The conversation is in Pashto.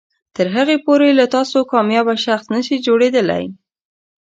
تر هغې پورې له تاسو کاميابه شخص نشي جوړیدلی